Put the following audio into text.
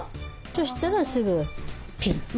そしたらすぐピッと。